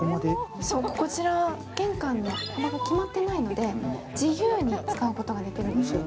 こちらは玄関が決まってないので、自由に使うことができるんです